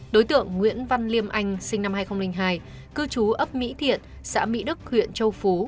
đối tượng nguyễn văn liêm anh sinh năm hai nghìn hai cư trú ấp mỹ thiện xã mỹ đức huyện châu phú